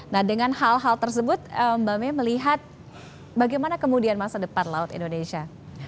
nah dengan hal hal tersebut mbak may melihat bagaimana kemudian masa depan laut indonesia